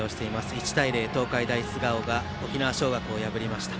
１対０、東海大菅生が沖縄尚学を破りました。